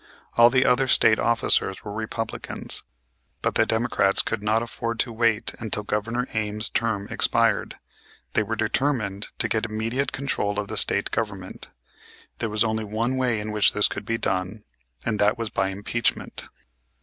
All the other State officers were Republicans. But the Democrats could not afford to wait until Governor Ames' term expired. They were determined to get immediate control of the State Government. There was only one way in which this could be done, and that was by impeachment.